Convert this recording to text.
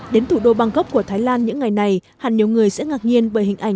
đến thủ đô bangkok của thái lan những ngày này hẳn nhiều người sẽ ngạc nhiên bởi hình ảnh